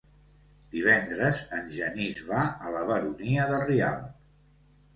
Divendres en Genís va a la Baronia de Rialb.